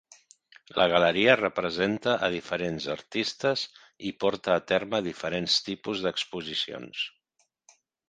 La galeria representa a diferents artistes i porta a terme diferents tipus d'exposicions.